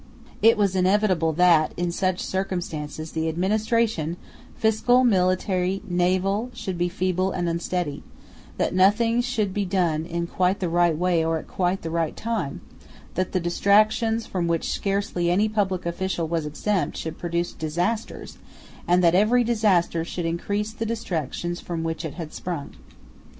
It was inevitable that, in such circumstances, the administration, fiscal, military, naval, should be feeble and unsteady; that nothing should be done in quite the right way or at quite the right time; that the distractions from which scarcely any public office was exempt should produce disasters, and that every disaster should increase the distractions from which it had sprung.